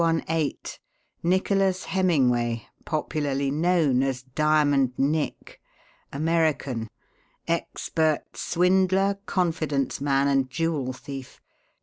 218 Nicholas Hemmingway, popularly known as 'Diamond Nick.' American. Expert swindler, confidence man and jewel thief.